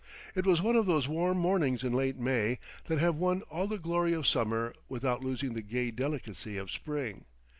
It was one of those warm mornings in late May that have won all the glory of summer without losing the gay delicacy of spring.